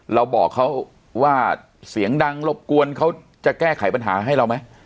เราบอกเขาว่าเสียงดังรบกวนเขาจะแก้ไขปัญหาให้เราไหม